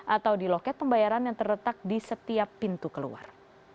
atau di loket pembayaran yang terletak di setiap pintu keluar